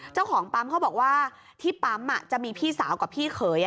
เจ้าของปั๊มเขาบอกว่าที่ปั๊มจะมีพี่สาวกับพี่เขย